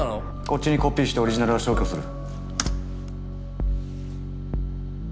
こっちにコピーしてオリジナルは消去する。